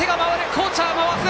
コーチャー回す！